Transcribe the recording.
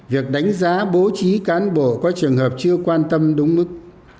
việc đánh giá bố trí cán bộ có trường hợp chưa quan tâm đúng mức